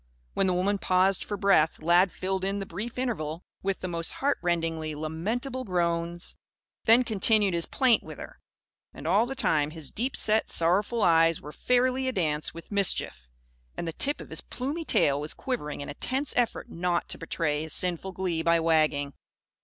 When the woman paused for breath, Lad filled in the brief interval with the most heartrendingly lamentable groans; then continued his plaint with her. And all the time, his deep set, sorrowful eyes were fairly a dance with mischief, and the tip of his plumy tail was quivering in a tense effort not to betray his sinful glee by wagging.